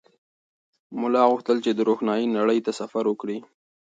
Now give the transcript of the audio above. ملا غوښتل چې د روښنایۍ نړۍ ته سفر وکړي.